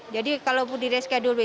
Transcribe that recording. jadi kalau di reschedule besok